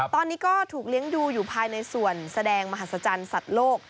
ตอนนี้ก็ถูกเลี้ยงดูอยู่ภายในส่วนแสดงมหัศจรรย์สัตว์โลก